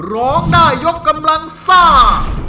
รองหน้ายกกำลังซ่า